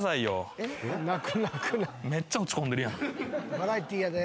バラエティーやで。